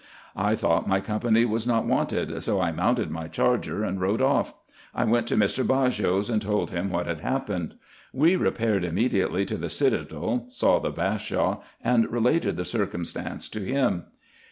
I thought my company was not wanted, so I mounted my charger, and rode off. I went to Mr. Baghos, and told him what had happened. We repaired immediately to the citadel, saw the Bashaw, and related the circumstance to him.